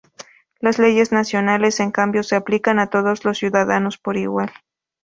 Las leyes nacionales, en cambio, se aplican a todos los ciudadanos por igual.